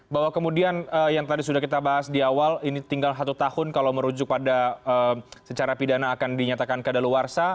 bahwa kemudian yang tadi sudah kita bahas di awal ini tinggal satu tahun kalau merujuk pada secara pidana akan dinyatakan keadaan luar sah